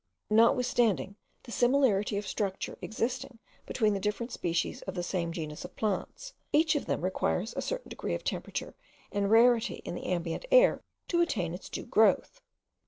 Notwithstanding the similarity of structure existing between the different species of the same genus of plants, each of them requires a certain degree of temperature and rarity in the ambient air to attain its due growth.